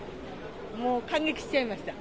もう感激しちゃいました。